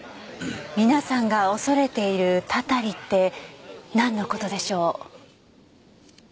皆さんが恐れているたたりってなんの事でしょう？